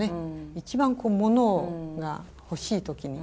一番モノが欲しい時に。